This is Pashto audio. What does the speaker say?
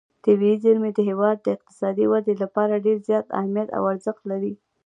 طبیعي زیرمې د هېواد د اقتصادي ودې لپاره ډېر زیات اهمیت او ارزښت لري.